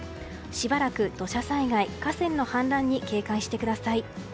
しばらく土砂災害、河川の氾濫に警戒してください。